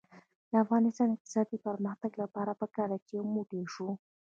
د افغانستان د اقتصادي پرمختګ لپاره پکار ده چې یو موټی شو.